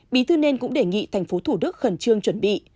bí thư nên cũng đề nghị thành phố thủ đức khẩn trương chuẩn bị